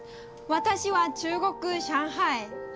私は中国上海